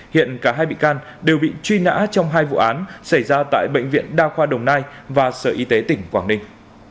hiện cả hai bị can đều bị truy nã trong hai vụ án xảy ra tại bệnh viện đa khoa đồng nai và sở y tế tỉnh quảng ninh